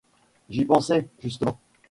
J’y pensais, justement.